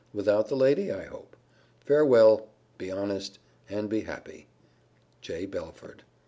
Without the lady, I hope. Farewell. Be honest, and be happy, J. BELFORD.